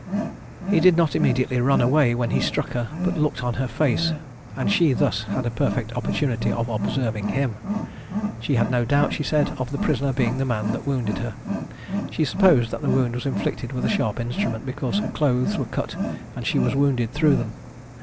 He did not immediately run away when he struck her, but looked on her face, and she thus had a perfect opportunity of observing him. She had no doubt, she said, of the prisoner being the man that wounded her. She supposed that the wound was inflicted with a sharp instrument, because her clothes were cut and she was wounded through them.